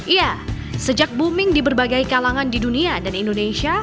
iya sejak booming di berbagai kalangan di dunia dan indonesia